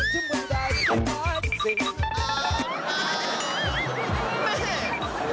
แหม